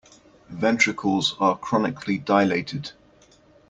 Ventricles are chronically dilated.